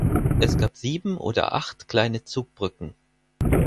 Es gab sieben oder acht kleine Zugbrücken.